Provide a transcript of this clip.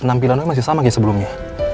penampilan lo masih sama kayak sebelumnya